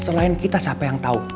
selain kita siapa yang tahu